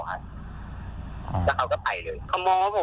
ตอนนั้นเขาก็มาขอดู